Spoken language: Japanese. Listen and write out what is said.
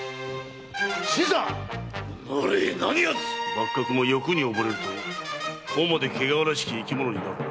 幕閣も欲に溺れるとこうまで汚らわしき生き物になるのか。